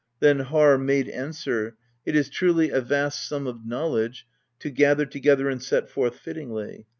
Then Harr made answer: "It is truly a vast sum of knowledge to gather* together and set forth fittingly.